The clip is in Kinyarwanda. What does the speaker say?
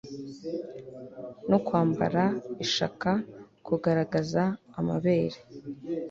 no kwambara ishaka kugaragaza amabere